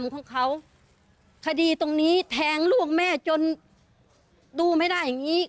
ไปแทงลูกแม่จนดูไม่ได้อย่างนี้